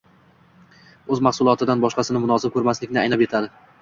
o'z mahsulotidan boshqasini munosib ko'rmaslikni anglab yetadi.